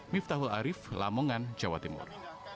miftahul arief lamongan jawa timur